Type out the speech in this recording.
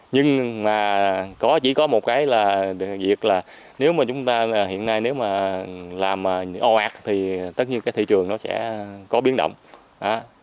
nhưng mà chỉ có một cái là việc là nếu mà chúng ta hiện nay nếu mà làm ồ ạt thì tất nhiên cái thị trường nó sẽ có biến động